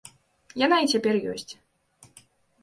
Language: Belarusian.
Яна і цяпер ёсць.